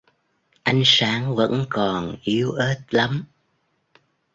Ánh sáng vẫn còn yếu ớt lắm